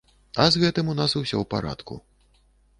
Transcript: А з гэтым у нас усё ў парадку.